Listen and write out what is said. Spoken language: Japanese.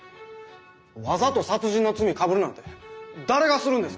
わざと殺人の罪かぶるなんて誰がするんですか。